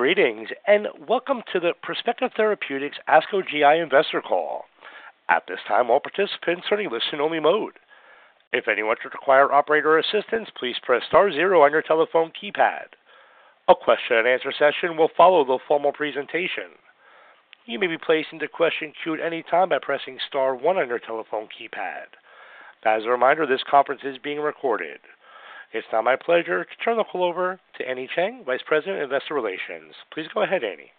Greetings and welcome to the Perspective Therapeutics ASCO GI investor call. At this time, all participants are in listen-only mode. If anyone should require operator assistance, please press star zero on your telephone keypad. A question-and-answer session will follow the formal presentation. You may be placed into question queue at any time by pressing star one on your telephone keypad. As a reminder, this conference is being recorded. It's now my pleasure to turn the call over to Annie Cheng, Vice President, Investor Relations. Please go ahead, Annie.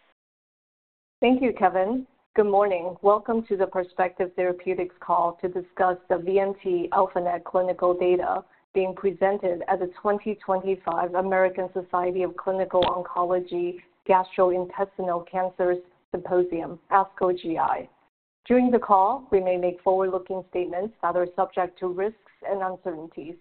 Thank you, Kevin. Good morning. Welcome to the Perspective Therapeutics call to discuss the VMT-α-NET clinical data being presented at the 2025 American Society of Clinical Oncology Gastrointestinal Cancers Symposium, ASCO GI. During the call, we may make forward-looking statements that are subject to risks and uncertainties.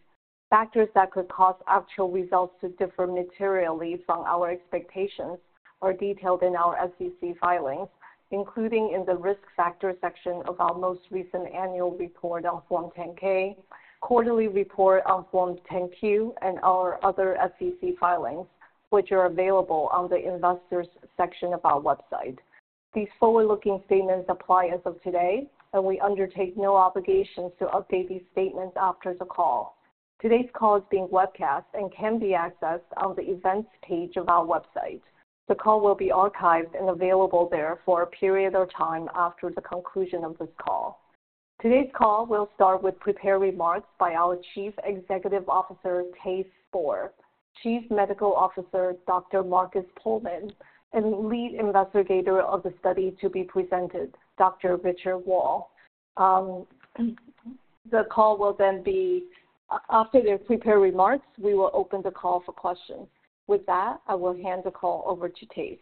Factors that could cause actual results to differ materially from our expectations are detailed in our SEC filings, including in the risk factor section of our most recent annual report on Form 10-K, quarterly report on Form 10-Q, and our other SEC filings, which are available on the investors' section of our website. These forward-looking statements apply as of today, and we undertake no obligations to update these statements after the call. Today's call is being webcast and can be accessed on the events page of our website. The call will be archived and available there for a period of time after the conclusion of this call. Today's call will start with prepared remarks by our Chief Executive Officer, Thijs Spoor, Chief Medical Officer, Dr. Markus Puhlmann, and lead investigator of the study to be presented, Dr. Richard Wahl. The call will then be after their prepared remarks. We will open the call for questions. With that, I will hand the call over to Thijs.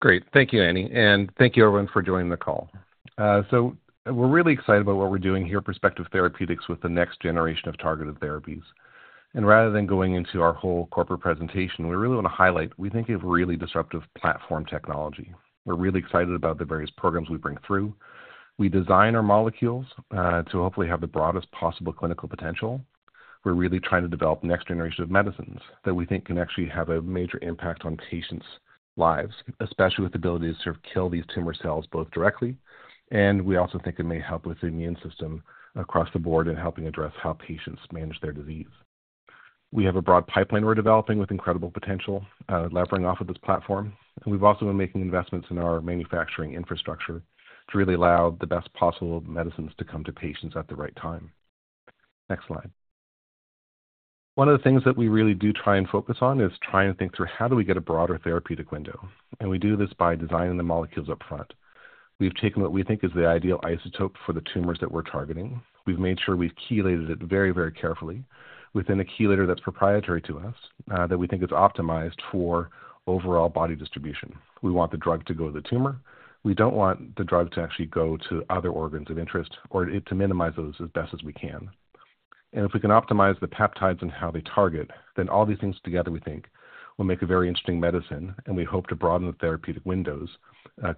Great. Thank you, Annie. And thank you, everyone, for joining the call. So we're really excited about what we're doing here at Perspective Therapeutics with the next generation of targeted therapies. And rather than going into our whole corporate presentation, we really want to highlight we think we have really disruptive platform technology. We're really excited about the various programs we bring through. We design our molecules to hopefully have the broadest possible clinical potential. We're really trying to develop the next generation of medicines that we think can actually have a major impact on patients' lives, especially with the ability to sort of kill these tumor cells both directly. And we also think it may help with the immune system across the board in helping address how patients manage their disease. We have a broad pipeline we're developing with incredible potential leveraging off of this platform. And we've also been making investments in our manufacturing infrastructure to really allow the best possible medicines to come to patients at the right time. Next slide. One of the things that we really do try and focus on is trying to think through how do we get a broader therapeutic window. And we do this by designing the molecules upfront. We've taken what we think is the ideal isotope for the tumors that we're targeting. We've made sure we've chelated it very, very carefully within a chelator that's proprietary to us that we think is optimized for overall body distribution. We want the drug to go to the tumor. We don't want the drug to actually go to other organs of interest or to minimize those as best as we can. And if we can optimize the peptides and how they target, then all these things together, we think, will make a very interesting medicine. And we hope to broaden the therapeutic windows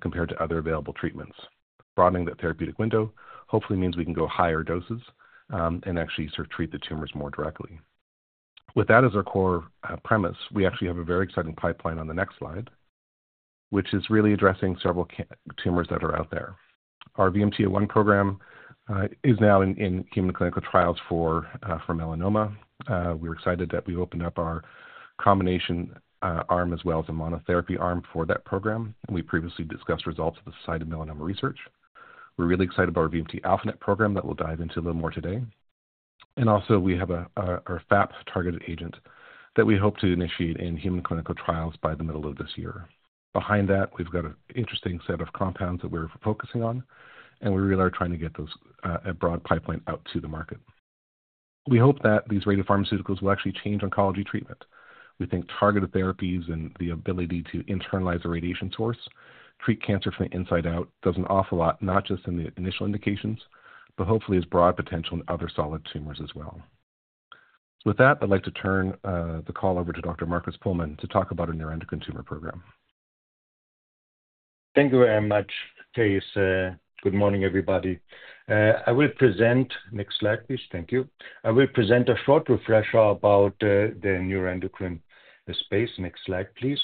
compared to other available treatments. Broadening that therapeutic window hopefully means we can go higher doses and actually sort of treat the tumors more directly. With that as our core premise, we actually have a very exciting pipeline on the next slide, which is really addressing several tumors that are out there. Our VMT01 program is now in human clinical trials for melanoma. We're excited that we opened up our combination arm as well as a monotherapy arm for that program. We previously discussed results of the SITC of melanoma research. We're really excited about our VMT-α-NET program that we'll dive into a little more today. And also, we have our FAP targeted agent that we hope to initiate in human clinical trials by the middle of this year. Behind that, we've got an interesting set of compounds that we're focusing on. And we really are trying to get those a broad pipeline out to the market. We hope that these radiopharmaceuticals will actually change oncology treatment. We think targeted therapies and the ability to internalize a radiation source, treat cancer from the inside out, does an awful lot, not just in the initial indications, but hopefully has broad potential in other solid tumors as well. With that, I'd like to turn the call over to Dr. Markus Puhlmann to talk about our neuroendocrine tumor program. Thank you very much, Thijs. Good morning, everybody. I will present next slide, please. Thank you. I will present a short refresher about the neuroendocrine space. Next slide, please.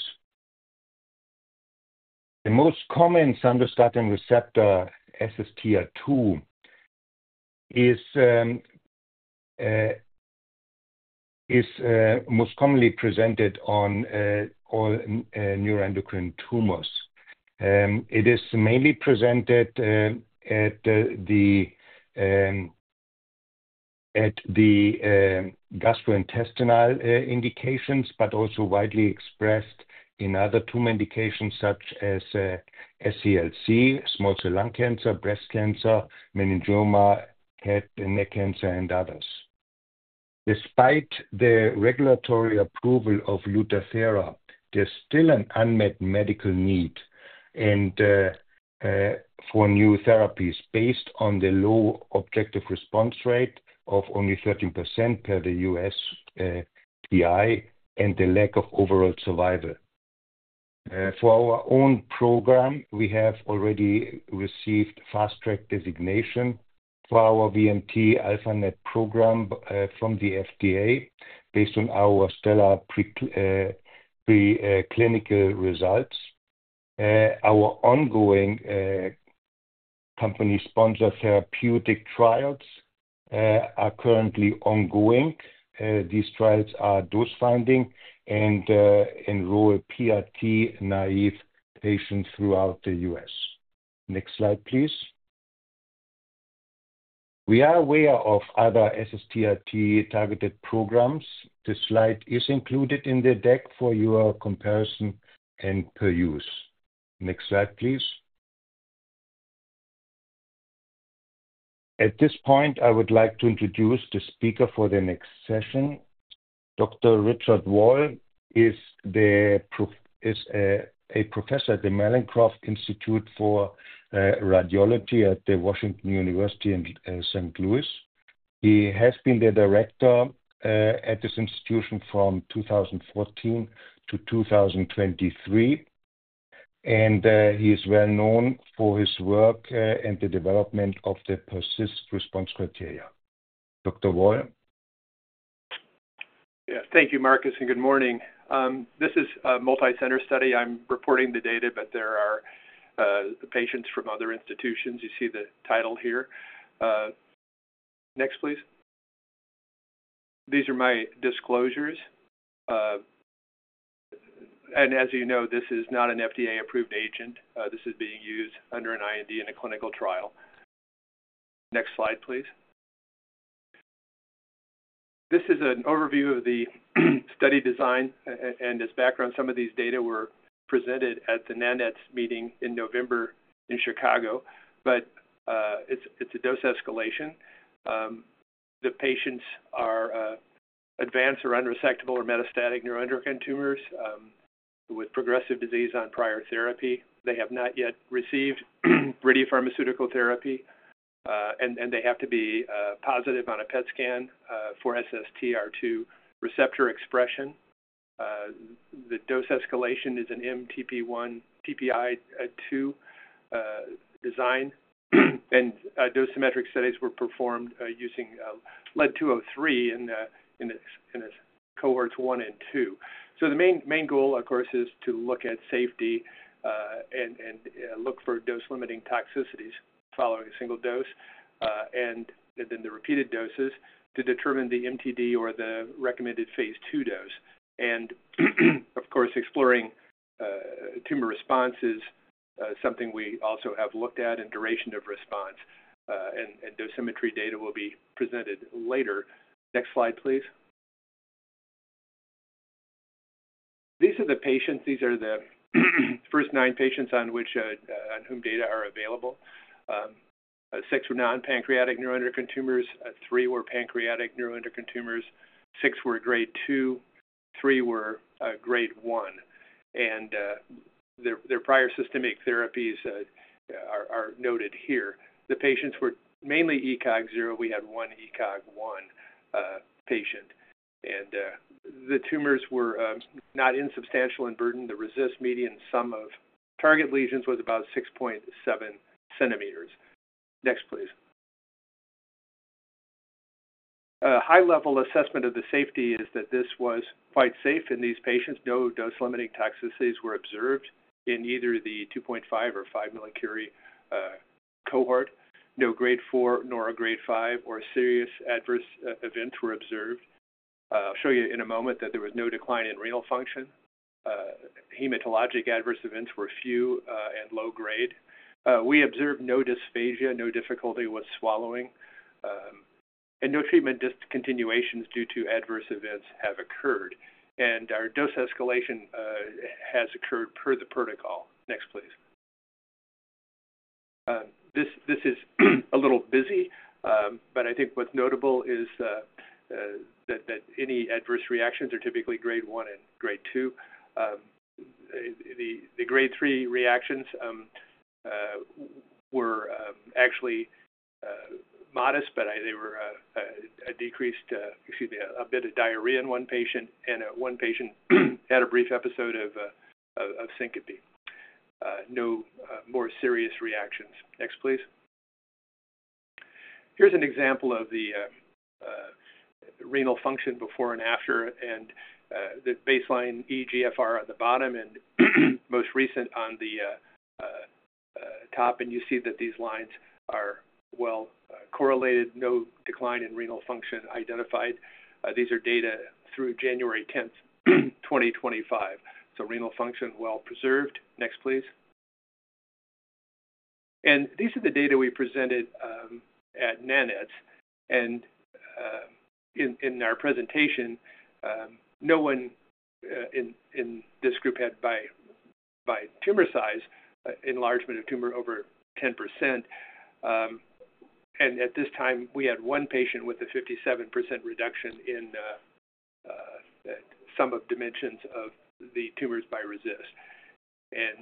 The most common somatostatin receptor, SSTR2, is most commonly presented on all neuroendocrine tumors. It is mainly presented at the gastrointestinal indications, but also widely expressed in other tumor indications such as SCLC, small cell lung cancer, breast cancer, meningioma, head and neck cancer, and others. Despite the regulatory approval of Lutathera, there's still an unmet medical need for new therapies based on the low objective response rate of only 13% per the USPI and the lack of overall survival. For our own program, we have already received fast-track designation for our VMT-α-NET program from the FDA based on our stellar preclinical results. Our ongoing company-sponsored therapeutic trials are currently ongoing. These trials are dose-finding and enroll PRRT naive patients throughout the U.S. Next slide, please. We are aware of other SSTR2 targeted programs. This slide is included in the deck for your comparison and peruse. Next slide, please. At this point, I would like to introduce the speaker for the next session. Dr. Richard Wahl is a professor at the Mallinckrodt Institute of Radiology at the Washington University in St. Louis. He has been the director at this institution from 2014 to 2023. And he is well known for his work and the development of the PERCIST response criteria. Dr. Wahl. Yeah. Thank you, Markus, and good morning. This is a multi-center study. I'm reporting the data, but there are patients from other institutions. You see the title here. Next, please. These are my disclosures, and as you know, this is not an FDA-approved agent. This is being used under an IND in a clinical trial. Next slide, please. This is an overview of the study design and its background. Some of these data were presented at the NANETS meeting in November in Chicago, but it's a dose escalation. The patients are advanced or unresectable or metastatic neuroendocrine tumors with progressive disease on prior therapy. They have not yet received radiopharmaceutical therapy, and they have to be positive on a PET scan for SSTR2 receptor expression. The dose escalation is an mTPI-2 design, and dosimetry studies were performed using Lead-203 in cohorts one and two. So the main goal, of course, is to look at safety and look for dose-limiting toxicities following a single dose and then the repeated doses to determine the MTD or the recommended phase two dose. And, of course, exploring tumor response is something we also have looked at and duration of response. And dosimetry data will be presented later. Next slide, please. These are the patients. These are the first nine patients on whom data are available. Six were non-pancreatic neuroendocrine tumors. Three were pancreatic neuroendocrine tumors. Six were grade two. Three were grade one. And their prior systemic therapies are noted here. The patients were mainly ECOG 0. We had one ECOG 1 patient. And the tumors were not insubstantial in burden. The RECIST median sum of target lesions was about 6.7 cm. Next, please. A high-level assessment of the safety is that this was quite safe in these patients. No dose-limiting toxicities were observed in either the 2.5 or 5 mCi cohort. No grade four nor a grade five or serious adverse events were observed. I'll show you in a moment that there was no decline in renal function. Hematologic adverse events were few and low grade. We observed no dysphagia, no difficulty with swallowing, and no treatment discontinuations due to adverse events have occurred. And our dose escalation has occurred per the protocol. Next, please. This is a little busy, but I think what's notable is that any adverse reactions are typically grade one and grade two. The grade three reactions were actually modest, but they were a decreased—excuse me—a bit of diarrhea in one patient. And one patient had a brief episode of syncope. No more serious reactions. Next, please. Here's an example of the renal function before and after. The baseline eGFR on the bottom and most recent on the top. You see that these lines are well correlated. No decline in renal function identified. These are data through January 10th, 2025. Renal function well preserved. Next, please. These are the data we presented at NANETS. In our presentation, no one in this group had, by tumor size, enlargement of tumor over 10%. At this time, we had one patient with a 57% reduction in some of the dimensions of the tumors by RECIST.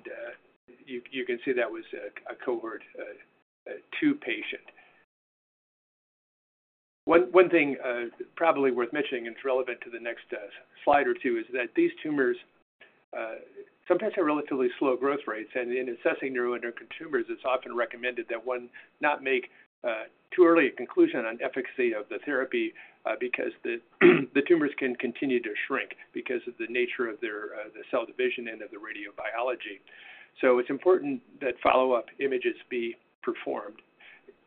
You can see that was a cohort two patient. One thing probably worth mentioning and it's relevant to the next slide or two is that these tumors sometimes have relatively slow growth rates. In assessing neuroendocrine tumors, it's often recommended that one not make too early a conclusion on efficacy of the therapy because the tumors can continue to shrink because of the nature of the cell division and of the radiobiology. It's important that follow-up images be performed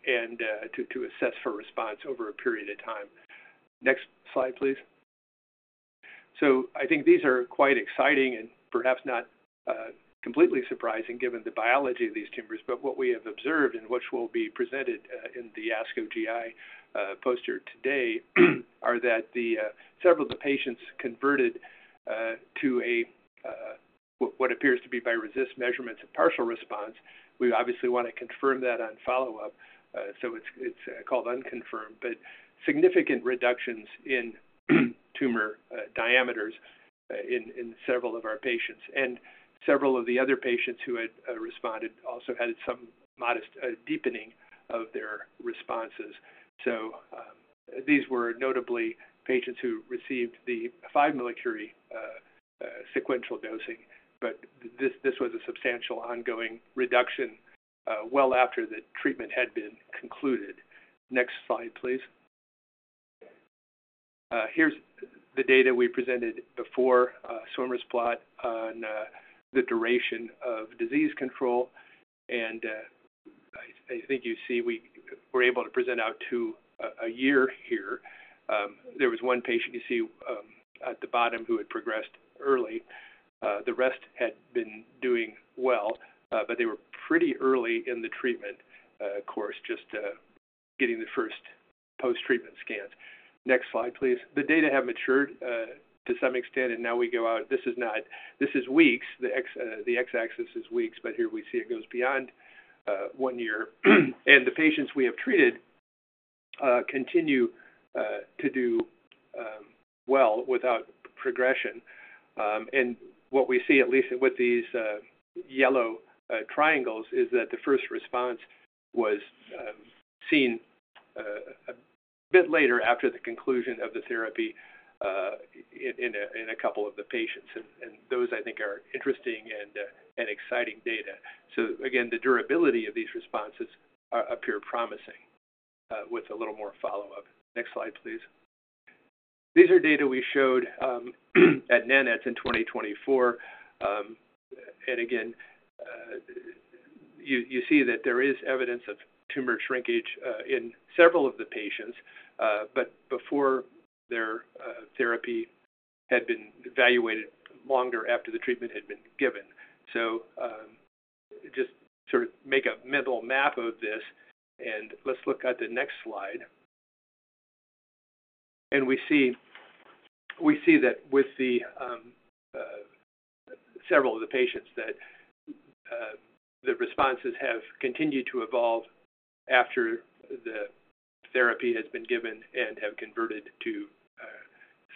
and to assess for response over a period of time. Next slide, please. I think these are quite exciting and perhaps not completely surprising given the biology of these tumors. What we have observed and which will be presented in the ASCO GI poster today are that several of the patients converted to what appears to be by RECIST measurements of partial response. We obviously want to confirm that on follow-up. It's called unconfirmed, but significant reductions in tumor diameters in several of our patients. Several of the other patients who had responded also had some modest deepening of their responses. So these were notably patients who received the 5 mCi sequential dosing. But this was a substantial ongoing reduction well after the treatment had been concluded. Next slide, please. Here's the data we presented before swimmer's plot on the duration of disease control. I think you see we were able to present out to a year here. There was one patient you see at the bottom who had progressed early. The rest had been doing well, but they were pretty early in the treatment course, just getting the first post-treatment scans. Next slide, please. The data have matured to some extent. Now we go out. This is weeks. The X-axis is weeks. But here we see it goes beyond one year. And the patients we have treated continue to do well without progression. And what we see, at least with these yellow triangles, is that the first response was seen a bit later after the conclusion of the therapy in a couple of the patients. And those, I think, are interesting and exciting data. So again, the durability of these responses appear promising with a little more follow-up. Next slide, please. These are data we showed at NANETS in 2024. And again, you see that there is evidence of tumor shrinkage in several of the patients, but before their therapy had been evaluated, longer after the treatment had been given. So just sort of make a mental map of this. And let's look at the next slide. We see that with several of the patients that the responses have continued to evolve after the therapy has been given and have converted to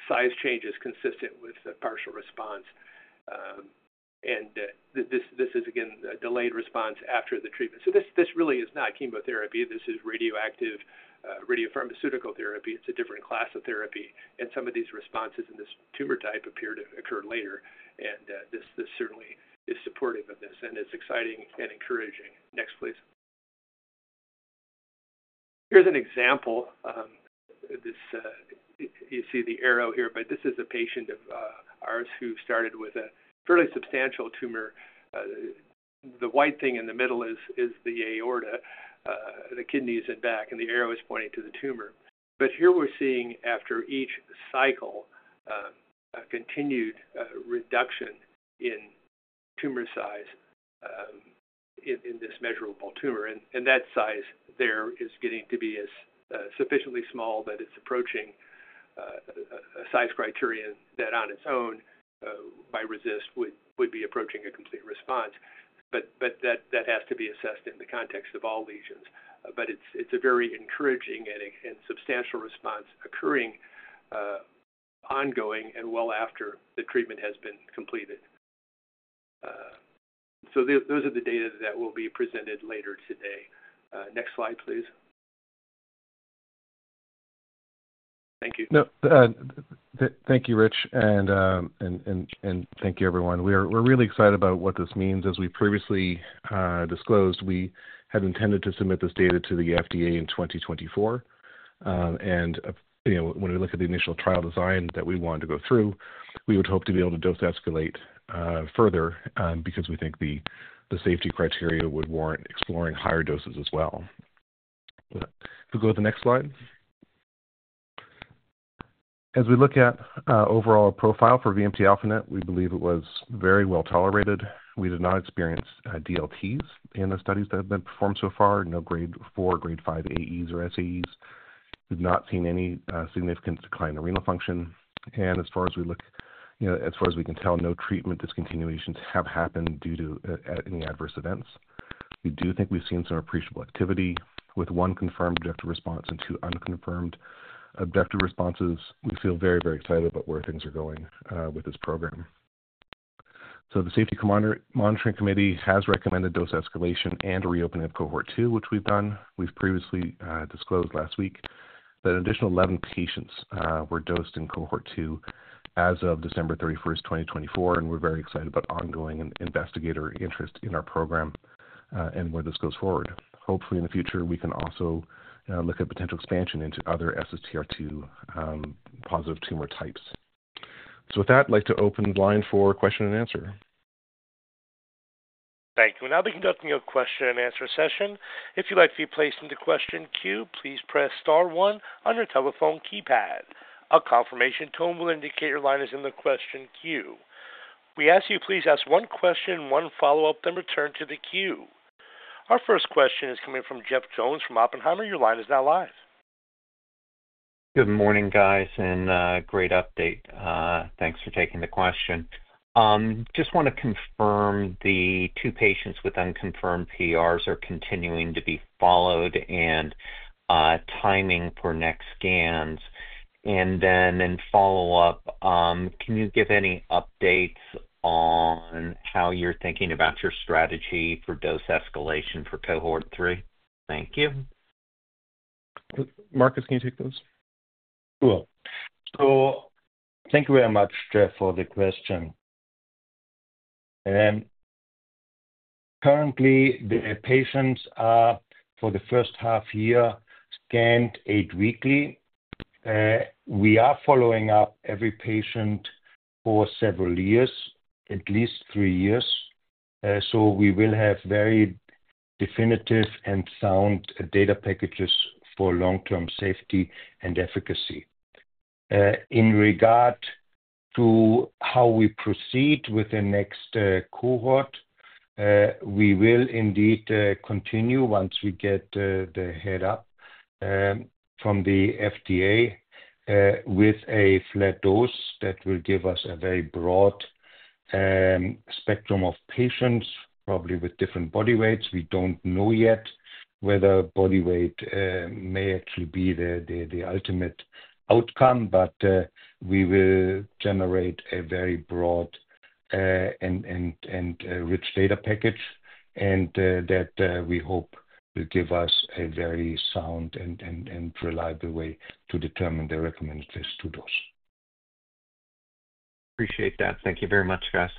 size changes consistent with partial response. And this is, again, a delayed response after the treatment. So this really is not chemotherapy. This is radiopharmaceutical therapy. It's a different class of therapy. And some of these responses in this tumor type appear to occur later. And this certainly is supportive of this. And it's exciting and encouraging. Next, please. Here's an example. You see the arrow here, but this is a patient of ours who started with a fairly substantial tumor. The white thing in the middle is the aorta, the kidneys and back. And the arrow is pointing to the tumor. But here we're seeing, after each cycle, a continued reduction in tumor size in this measurable tumor. That size there is getting to be sufficiently small that it's approaching a size criterion that, on its own, by RECIST would be approaching a complete response. That has to be assessed in the context of all lesions. It's a very encouraging and substantial response occurring ongoing and well after the treatment has been completed. Those are the data that will be presented later today. Next slide, please. Thank you. Thank you, Rich. And thank you, everyone. We're really excited about what this means. As we previously disclosed, we had intended to submit this data to the FDA in 2024. And when we look at the initial trial design that we wanted to go through, we would hope to be able to dose-escalate further because we think the safety criteria would warrant exploring higher doses as well. If we go to the next slide. As we look at overall profile for VMT-α-NET, we believe it was very well tolerated. We did not experience DLTs in the studies that have been performed so far. No grade four, grade five AEs or SAEs. We've not seen any significant decline in renal function. And as far as we look, as far as we can tell, no treatment discontinuations have happened due to any adverse events. We do think we've seen some appreciable activity with one confirmed objective response and two unconfirmed objective responses. We feel very, very excited about where things are going with this program. So the Safety Monitoring Committee has recommended dose escalation and reopening of cohort two, which we've done. We've previously disclosed last week that an additional 11 patients were dosed in cohort two as of December 31st, 2024. And we're very excited about ongoing investigator interest in our program and where this goes forward. Hopefully, in the future, we can also look at potential expansion into other SSTR2 positive tumor types. So with that, I'd like to open line for question and answer. Thank you, and now begin the question and answer session. If you'd like to be placed in the question queue, please press star one on your telephone keypad. A confirmation tone will indicate your line is in the question queue. We ask you to please ask one question, one follow-up, then return to the queue. Our first question is coming from Jeff Jones from Oppenheimer. Your line is now live. Good morning, guys, and great update. Thanks for taking the question. Just want to confirm the two patients with unconfirmed PRs are continuing to be followed and timing for next scans, and then in follow-up, can you give any updates on how you're thinking about your strategy for dose escalation for cohort three? Thank you. Markus, can you take those? Cool. Thank you very much, Jeff, for the question. Currently, the patients for the first half year scanned eight weekly. We are following up every patient for several years, at least three years. We will have very definitive and sound data packages for long-term safety and efficacy. In regard to how we proceed with the next cohort, we will indeed continue once we get the go-ahead from the FDA with a flat dose that will give us a very broad spectrum of patients, probably with different body weights. We don't know yet whether body weight may actually be the ultimate determinant, but we will generate a very broad and rich data package that we hope will give us a very sound and reliable way to determine the recommended phase II dose. Appreciate that. Thank you very much, guys.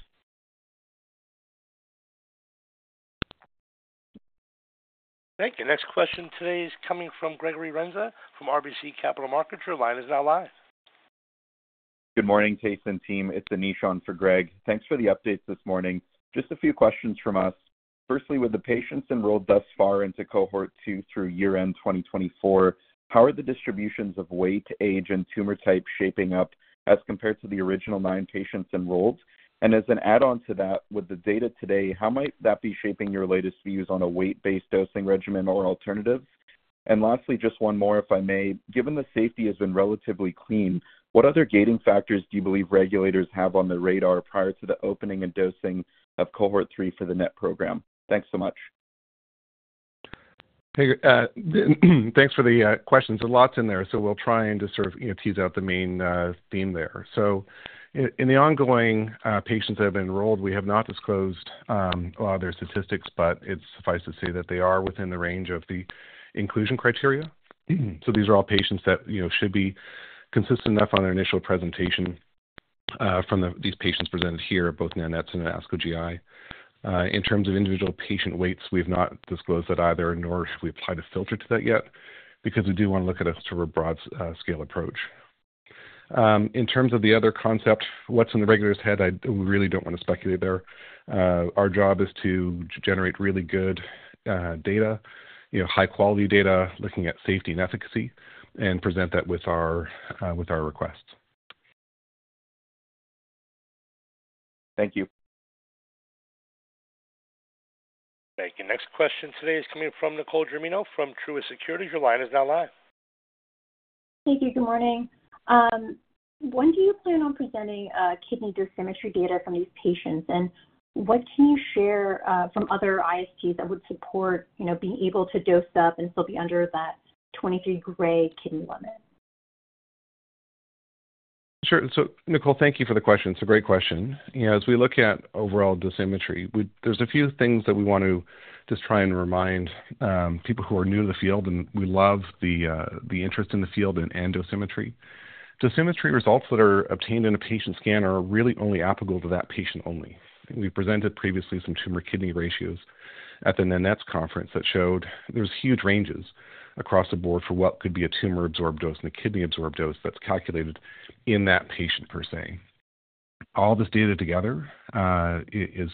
Thank you. Next question today is coming from Gregory Renza from RBC Capital Markets. Your line is now live. Good morning, Thijs and team. It's Anish on for Greg. Thanks for the updates this morning. Just a few questions from us. Firstly, with the patients enrolled thus far into cohort two through year-end 2024, how are the distributions of weight, age, and tumor type shaping up as compared to the original nine patients enrolled? And as an add-on to that, with the data today, how might that be shaping your latest views on a weight-based dosing regimen or alternatives? And lastly, just one more, if I may. Given the safety has been relatively clean, what other gating factors do you believe regulators have on the radar prior to the opening and dosing of cohort three for the NET program? Thanks so much. Thanks for the questions. There's lots in there, so we'll try and just sort of tease out the main theme there. So in the ongoing patients that have been enrolled, we have not disclosed their statistics, but it suffices to say that they are within the range of the inclusion criteria. So these are all patients that should be consistent enough on their initial presentation from these patients presented here, both NANETS and ASCO GI. In terms of individual patient weights, we have not disclosed that either, nor have we applied a filter to that yet because we do want to look at a sort of broad-scale approach. In terms of the other concept, what's in the regulator's head, we really don't want to speculate there. Our job is to generate really good data, high-quality data, looking at safety and efficacy, and present that with our request. Thank you. Thank you. Next question today is coming from Nicole Germino from Truist Securities. Your line is now live. Thank you. Good morning. When do you plan on presenting kidney dose symmetry data from these patients? And what can you share from other ISTs that would support being able to dose up and still be under that 23 gray kidney limit? Sure. So, Nicole, thank you for the question. It's a great question. As we look at overall dosimetry, there's a few things that we want to just try and remind people who are new to the field, and we love the interest in the field and dosimetry. Dosimetry results that are obtained in a patient scan are really only applicable to that patient only. We presented previously some tumor kidney ratios at the NANETS conference that showed there's huge ranges across the board for what could be a tumor-absorbed dose and a kidney-absorbed dose that's calculated in that patient per se. All this data together is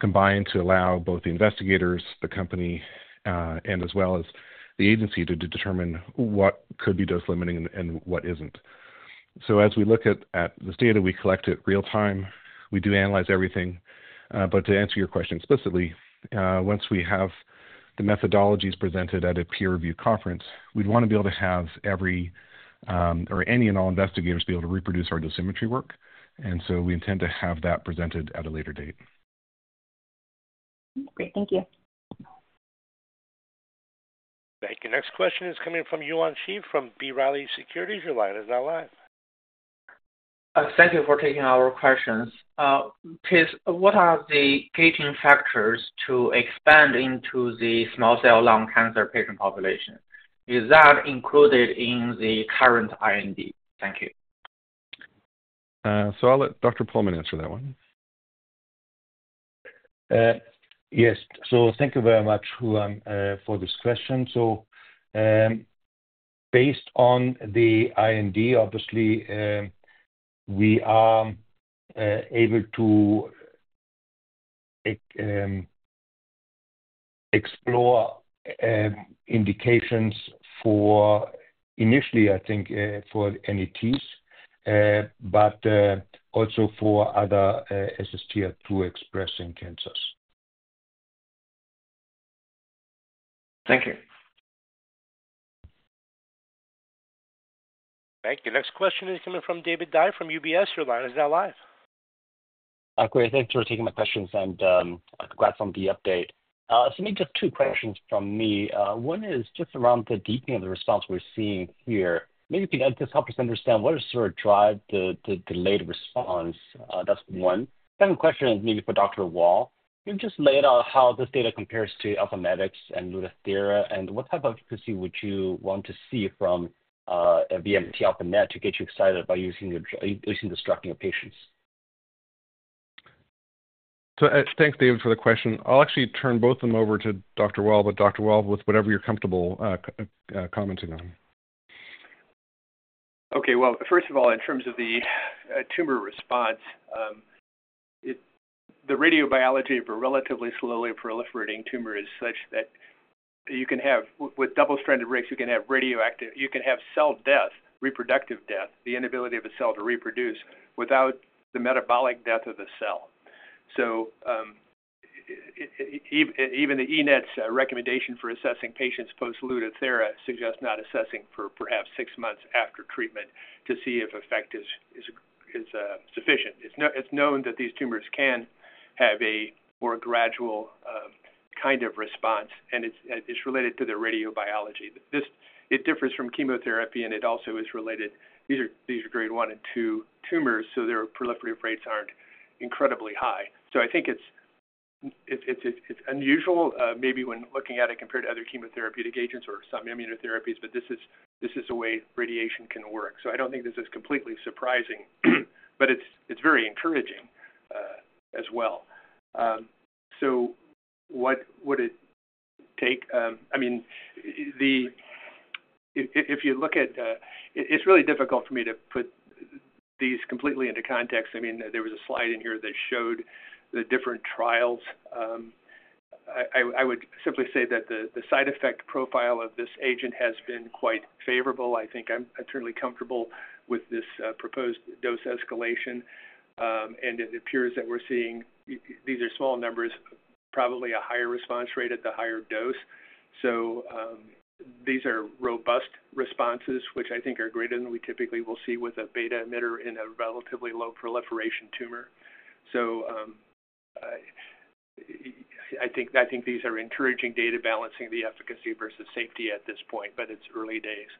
combined to allow both the investigators, the company, and as well as the agency to determine what could be dose-limiting and what isn't, so as we look at this data, we collect it real-time. We do analyze everything. But to answer your question explicitly, once we have the methodologies presented at a peer-review conference, we'd want to be able to have every or any and all investigators be able to reproduce our dosimetry work. And so we intend to have that presented at a later date. Great. Thank you. Thank you. Next question is coming from Yuan Zhi from B. Riley Securities. Your line is now live. Thank you for taking our questions. What are the gating factors to expand into the small cell lung cancer patient population? Is that included in the current IND? Thank you. I'll let Dr. Puhlmann answer that one. Yes. So thank you very much, Yuan, for this question. So based on the IND, obviously, we are able to explore indications for initially, I think, for NETs, but also for other SSTR2 expressing cancers. Thank you. Thank you. Next question is coming from David Dai from UBS. Your line is now live. Great. Thanks for taking my questions. And congrats on the update. So maybe just two questions from me. One is just around the deepening of the response we're seeing here. Maybe you can just help us understand what has sort of driven the delayed response. That's one. Second question is maybe for Dr. Wahl. You've just laid out how this data compares to AlphaMedix and Lutathera. And what type of efficacy would you want to see from a VMT-α-NET to get you excited about using this drug in your patients? So thanks, David, for the question. I'll actually turn both of them over to Dr. Wahl. But Dr. Wahl, with whatever you're comfortable commenting on. Okay. Well, first of all, in terms of the tumor response, the radiobiology of a relatively slowly proliferating tumor is such that you can have with double-strand breaks, you can have cell death, reproductive death, the inability of a cell to reproduce without the metabolic death of the cell. So even the NANETS recommendation for assessing patients post Lutathera suggests not assessing for perhaps six months after treatment to see if effect is sufficient. It's known that these tumors can have a more gradual kind of response. And it's related to their radiobiology. It differs from chemotherapy, and it also is related. These are grade one and two tumors, so their proliferative rates aren't incredibly high. So I think it's unusual maybe when looking at it compared to other chemotherapeutic agents or some immunotherapies, but this is a way radiation can work. So I don't think this is completely surprising, but it's very encouraging as well. So what would it take? I mean, if you look at it, it's really difficult for me to put these completely into context. I mean, there was a slide in here that showed the different trials. I would simply say that the side effect profile of this agent has been quite favorable. I think I'm certainly comfortable with this proposed dose escalation. And it appears that we're seeing. These are small numbers, probably a higher response rate at the higher dose. So these are robust responses, which I think are greater than we typically will see with a beta emitter in a relatively low proliferation tumor. So I think these are encouraging data balancing the efficacy versus safety at this point, but it's early days.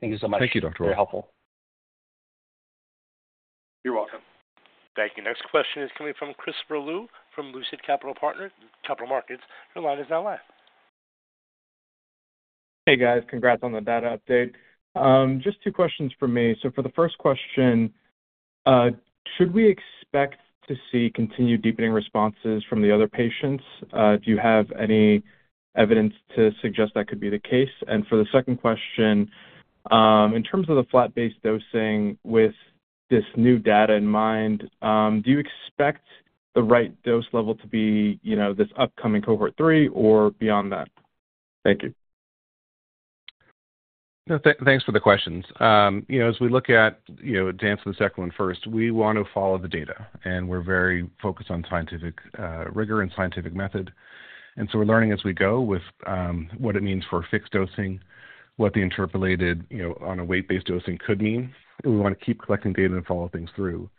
Thank you so much. Thank you, Dr. Wahl. Very helpful. You're welcome. Thank you. Next question is coming from Christopher Liu from Lucid Capital Markets. Your line is now live. Hey, guys. Congrats on the data update. Just two questions for me. So for the first question, should we expect to see continued deepening responses from the other patients? Do you have any evidence to suggest that could be the case? And for the second question, in terms of the fixed-based dosing with this new data in mind, do you expect the right dose level to be this upcoming cohort three or beyond that? Thank you. Thanks for the questions. As we look at to answer the second one first, we want to follow the data. And we're very focused on scientific rigor and scientific method. And so we're learning as we go with what it means for fixed dosing, what the interpolated on a weight-based dosing could mean. We want to keep collecting data and follow things through.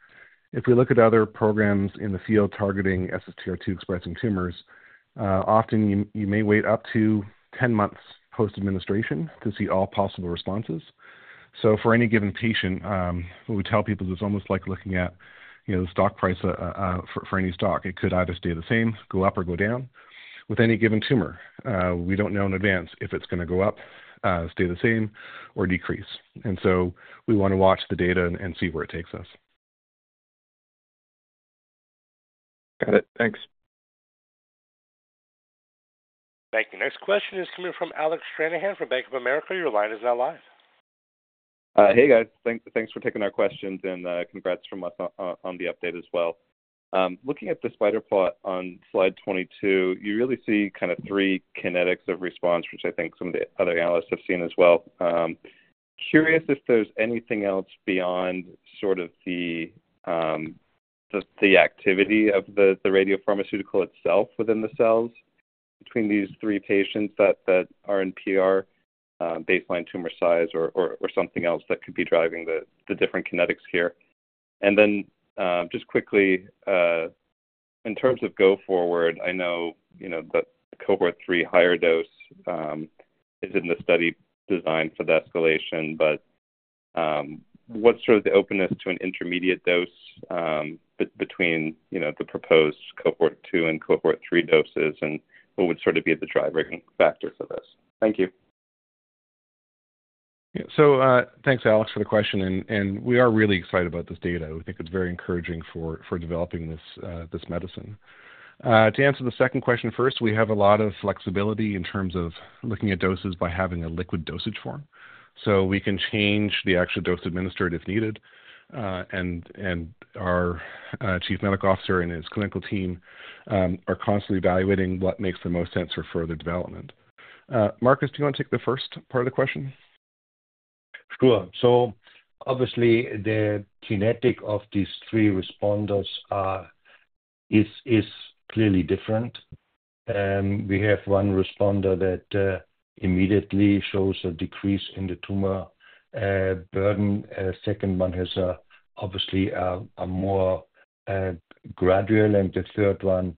If we look at other programs in the field targeting SSTR2 expressing tumors, often you may wait up to 10 months post-administration to see all possible responses. So for any given patient, we would tell people it's almost like looking at the stock price for any stock. It could either stay the same, go up, or go down. With any given tumor, we don't know in advance if it's going to go up, stay the same, or decrease. And so we want to watch the data and see where it takes us. Got it. Thanks. Thank you. Next question is coming from Alec Stranahan from Bank of America. Your line is now live. Hey, guys. Thanks for taking our questions, and congrats from us on the update as well. Looking at the spider plot on slide 22, you really see kind of three kinetics of response, which I think some of the other analysts have seen as well. Curious if there's anything else beyond sort of the activity of the radiopharmaceutical itself within the cells between these three patients that are in PR, baseline tumor size, or something else that could be driving the different kinetics here? And then just quickly, in terms of go forward, I know that cohort three higher dose is in the study design for the escalation. But what's sort of the openness to an intermediate dose between the proposed cohort two and cohort three doses? And what would sort of be the driving factor for this? Thank you. So thanks, Alex, for the question. And we are really excited about this data. We think it's very encouraging for developing this medicine. To answer the second question first, we have a lot of flexibility in terms of looking at doses by having a liquid dosage form. So we can change the actual dose administered if needed. And our Chief Medical Officer and his clinical team are constantly evaluating what makes the most sense for further development. Markus, do you want to take the first part of the question? Sure. So obviously, the kinetics of these three responders is clearly different. We have one responder that immediately shows a decrease in the tumor burden. The second one has obviously a more gradual and the third one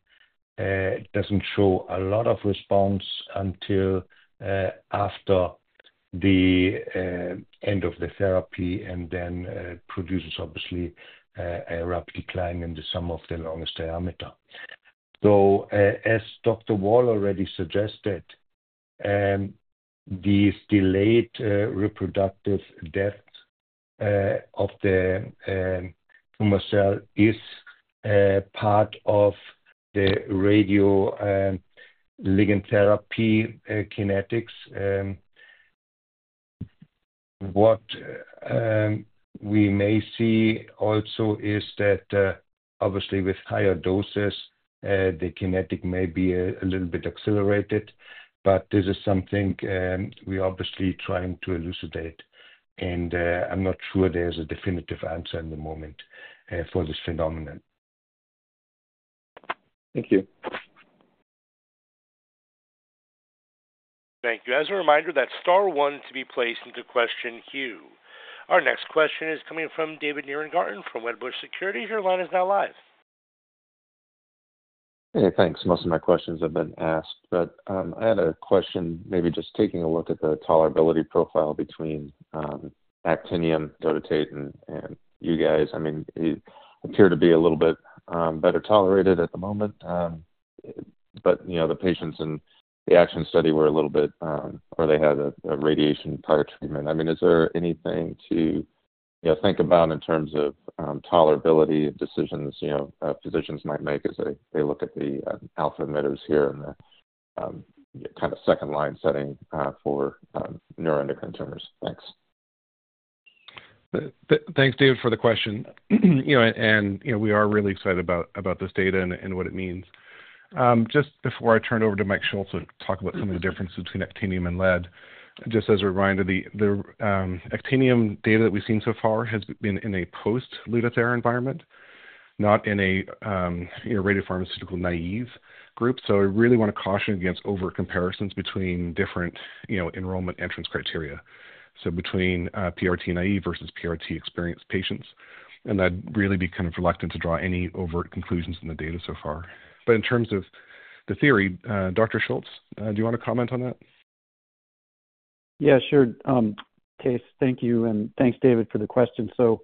doesn't show a lot of response until after the end of the therapy and then produces obviously a rapid decline in the sum of the longest diameter. So as Dr. Wahl already suggested, these delayed reproductive deaths of the tumor cell is part of the radioligand therapy kinetics. What we may see also is that obviously with higher doses, the kinetics may be a little bit accelerated. But this is something we're obviously trying to elucidate. And I'm not sure there's a definitive answer in the moment for this phenomenon. Thank you. Thank you. As a reminder, that is star one to be placed into the question queue. Our next question is coming from David Nierengarten from Wedbush Securities. Your line is now live. Hey, thanks. Most of my questions have been asked. But I had a question, maybe just taking a look at the tolerability profile between actinium DOTATATE and you guys. I mean, it appeared to be a little bit better tolerated at the moment. But the patients in the actinium study were a little bit or they had prior radiation treatment. I mean, is there anything to think about in terms of tolerability decisions physicians might make as they look at the alpha emitters here in the kind of second-line setting for neuroendocrine tumors? Thanks. Thanks, David, for the question. And we are really excited about this data and what it means. Just before I turn it over to Mike Schultz to talk about some of the differences between actinium and lead, just as a reminder, the actinium data that we've seen so far has been in a post-Lutathera environment, not in a radiopharmaceutical naive group. So I really want to caution against over-comparisons between different enrollment entrance criteria, so between PRT naive versus PRT experienced patients. And I'd really be kind of reluctant to draw any overt conclusions in the data so far, but in terms of the theory, Dr. Schultz, do you want to comment on that? Yeah, sure. Thanks, Dave. Thank you. And thanks, David, for the question. So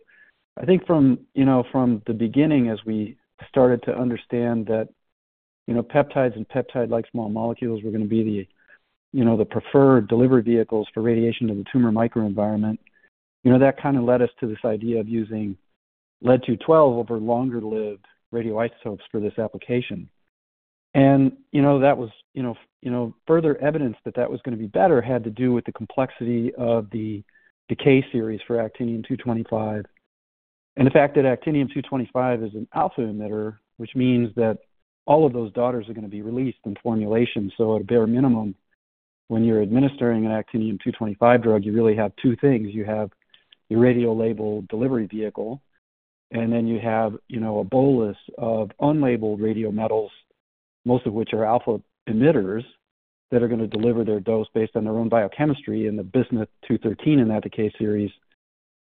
I think from the beginning, as we started to understand that peptides and peptide-like small molecules were going to be the preferred delivery vehicles for radiation to the tumor microenvironment, that kind of led us to this idea of using Lead-212 over longer-lived radioisotopes for this application. And that was further evidence that that was going to be better had to do with the complexity of the decay series for Actinium-225. And the fact that Actinium-225 is an alpha emitter, which means that all of those daughters are going to be released in formulation. So at a bare minimum, when you're administering an Actinium-225 drug, you really have two things. You have your radiolabeled delivery vehicle, and then you have a bolus of unlabeled radiometals, most of which are alpha emitters that are going to deliver their dose based on their own biochemistry in the Bismuth-213 in that Ac series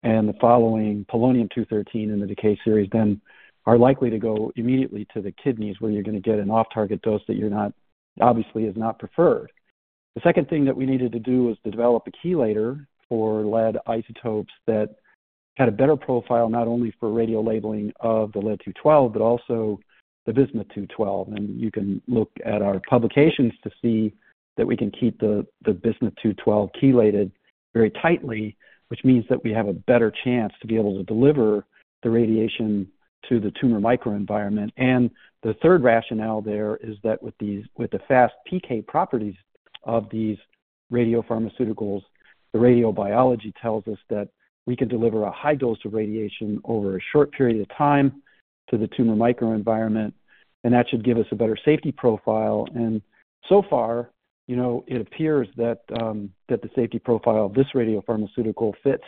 and the following Polonium-213 in the Ac series, then are likely to go immediately to the kidneys, where you're going to get an off-target dose that obviously is not preferred. The second thing that we needed to do was to develop a chelator for lead isotopes that had a better profile not only for radiolabeling of the Lead-212, but also the Bismuth-212. You can look at our publications to see that we can keep the Bismuth-212 chelated very tightly, which means that we have a better chance to be able to deliver the radiation to the tumor microenvironment. And the third rationale there is that with the fast PK properties of these radiopharmaceuticals, the radiobiology tells us that we can deliver a high dose of radiation over a short period of time to the tumor microenvironment. And that should give us a better safety profile. And so far, it appears that the safety profile of this radiopharmaceutical fits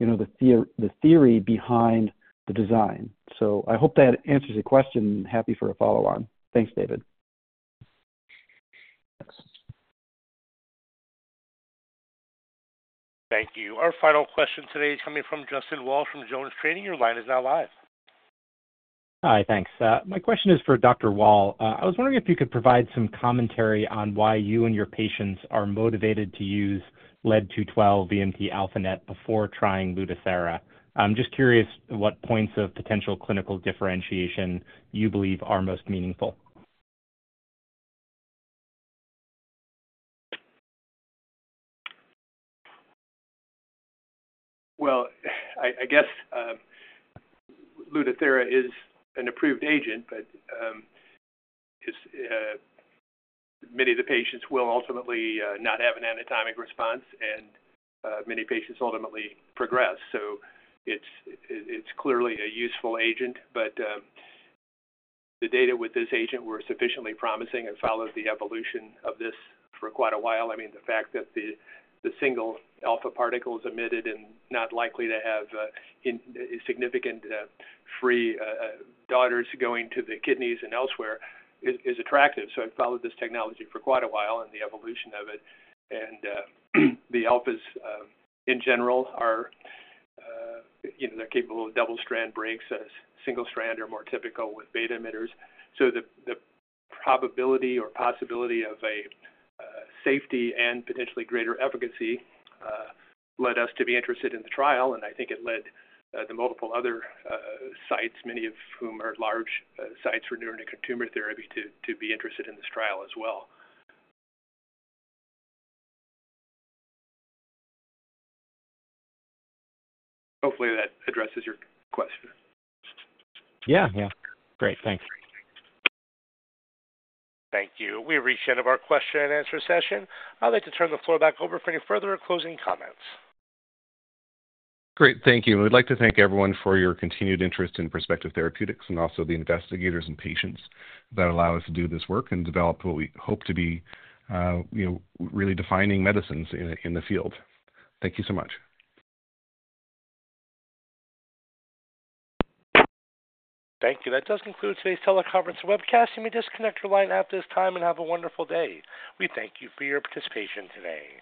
the theory behind the design. So I hope that answers your question. I'm happy for a follow-on. Thanks, David. Thanks. Thank you. Our final question today is coming from Justin Walsh from Jones Trading. Your line is now live. Hi, thanks. My question is for Dr. Wahl. I was wondering if you could provide some commentary on why you and your patients are motivated to use Lead-212 VMT-α-NET before trying Lutathera. I'm just curious what points of potential clinical differentiation you believe are most meaningful. I guess Lutathera is an approved agent, but many of the patients will ultimately not have an anatomic response, and many patients ultimately progress. So it's clearly a useful agent. But the data with this agent were sufficiently promising and followed the evolution of this for quite a while. I mean, the fact that the single alpha particles emitted and not likely to have significant free daughters going to the kidneys and elsewhere is attractive. So I followed this technology for quite a while and the evolution of it. And the alphas, in general, are capable of double-strand breaks as single-strand are more typical with beta emitters. So the probability or possibility of a safety and potentially greater efficacy led us to be interested in the trial. I think it led the multiple other sites, many of whom are large sites for neuroendocrine tumor therapy, to be interested in this trial as well. Hopefully, that addresses your question. Yeah, yeah. Great. Thanks. Thank you. We've reached the end of our question and answer session. I'd like to turn the floor back over for any further closing comments. Great. Thank you. We'd like to thank everyone for your continued interest in Perspective Therapeutics and also the investigators and patients that allow us to do this work and develop what we hope to be really defining medicines in the field. Thank you so much. Thank you. That does conclude today's teleconference webcast. You may disconnect your line at this time and have a wonderful day. We thank you for your participation today.